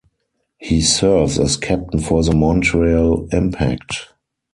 He serves as captain for the Montreal Impact.